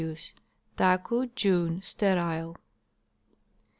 Taku, June. Sterile.